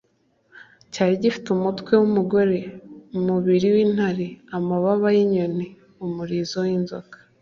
Cyari gifite umutwe wumugore umubiri wintare amababa yinyoni umurizo winzoka